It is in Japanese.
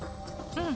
うん？